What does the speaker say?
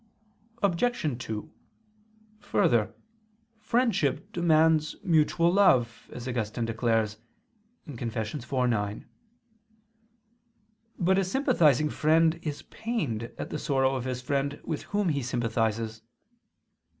Obj. 2: Further, friendship demands mutual love, as Augustine declares (Confess. iv, 9). But a sympathizing friend is pained at the sorrow of his friend with whom he sympathizes.